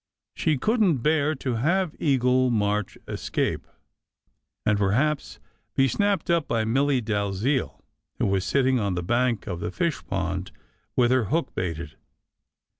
She couldn t bear to have Eagle March escape, and perhaps be snapped up by Milly Dalziel, who was sitting on the bank of the fishpond with her hook baited.